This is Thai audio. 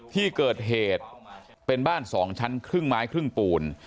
ที่เกิดเหตุเป็นบ้าน๒ชั้นครึ่งไม้ครึ่งปูน